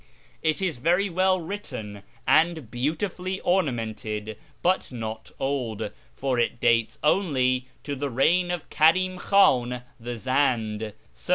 It is very well written, and beautifully ornamented, but not old, for it dates only from the reign of Karim Khan the Zend (c.